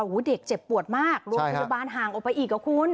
อุ้ยเด็กเจ็บปวดมากโรงพยาบาลห่างไอ้กับคุณ